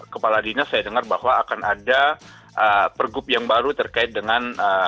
kepala dinas saya dengar bahwa akan ada pergub yang baru terkait dengan